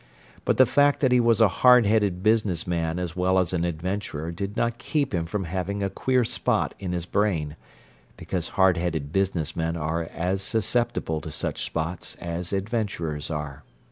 But the fact that he was a "hard headed business man" as well as an adventurer did not keep him from having a queer spot in his brain, because hard headed business men are as susceptible to such spots as adventurers are.